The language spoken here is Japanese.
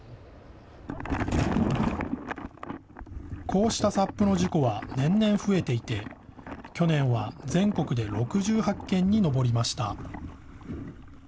こうしたＳＵＰの事故は年々増えていて、去年は全国で６８件に上りました。